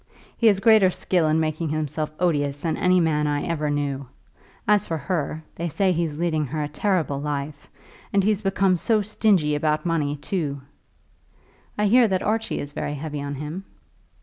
He has greater skill in making himself odious than any man I ever knew. As for her, they say he's leading her a terrible life. And he's becoming so stingy about money, too!" "I hear that Archie is very heavy on him."